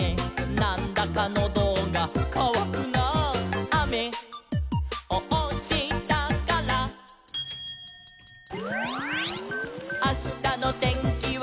「『なんだかノドがかわくなあ』」「あめをおしたから」「あしたのてんきは」